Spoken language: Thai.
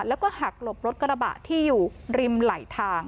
แล้วก็หักหลบรถกระบะที่อยู่ริมไหลทาง